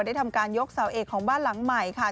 ได้ทำการยกเสาเอกของบ้านหลังใหม่ค่ะ